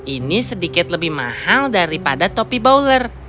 ini sedikit lebih mahal daripada topi bauler